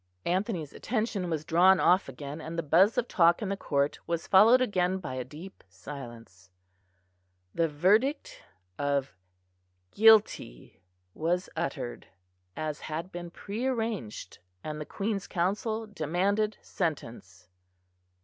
Anthony's attention was drawn off again, and the buzz of talk in the court was followed again by a deep silence. The verdict of Guilty was uttered, as had been pre arranged, and the Queen's Counsel demanded sentence.